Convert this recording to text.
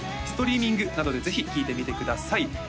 ストリーミングなどでぜひ聴いてみてください